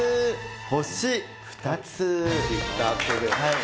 星２つ。